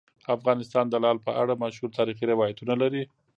افغانستان د لعل په اړه مشهور تاریخی روایتونه لري.